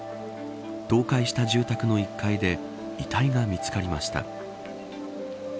倒壊した住宅の１階で遺体が見つかりました。